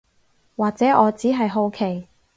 或者我只係好奇